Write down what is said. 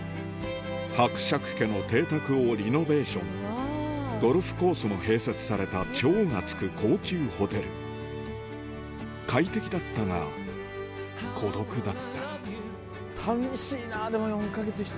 伯爵家の邸宅をリノベーションゴルフコースも併設された「超」が付く高級ホテル快適だったが孤独だった寂しいな４か月１人。